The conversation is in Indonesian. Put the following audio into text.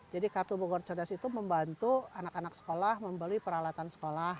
jadi kartu bogor cerdas itu membantu anak anak sekolah membeli peralatan sekolah